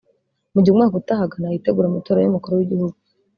Mu gihe umwaka utaha Ghana yitegura amatora y’Umukuru w’Igihugu